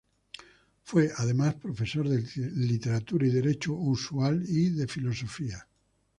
Fue, además, profesor de Literatura y Derecho Usual, y de Filosofía.